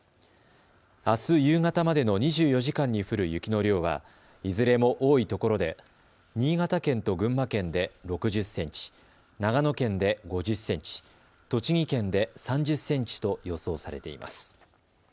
あす夕方までの２４時間に降る雪の量はいずれも多いところで新潟県と群馬県で６０センチ、長野県で５０センチ、栃木県で３０センチと予想されています。